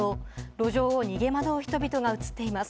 路地を逃げ惑う人々が映っています。